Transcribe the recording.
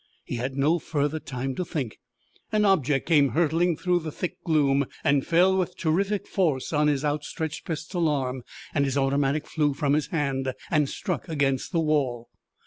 He had no further time to think. An object came hurtling through the thick gloom and fell with terrific force on his outstretched pistol arm. His automatic flew from his hand and struck against the wall.